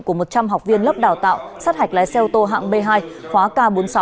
của một trăm linh học viên lớp đào tạo sát hạch lái xe ô tô hạng b hai khóa k bốn mươi sáu